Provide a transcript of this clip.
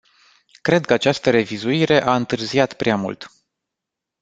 Cred că această revizuire a întârziat prea mult.